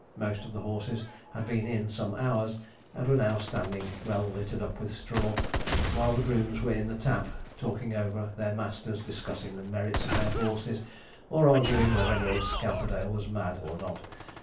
Most of the horses had been in some hours, and were now standing well littered up with straw, while the grooms were in the tap talking over their masters, discussing the merits of their horses, or arguing whether Lord Scamperdale was mad or not.